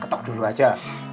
ketok dulu aja